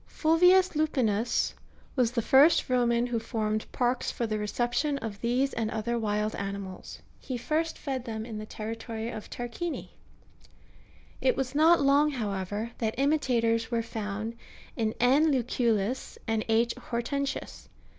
(52.) Fulvius Lupinus was the first Roman who formed parks^^ for the reception of these and other wild animals : he first fed them in the territory of Tarquinii : it was not long, however, that imitators were found in L. Lucullus and Q. Hortensius.